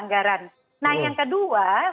nah yang kedua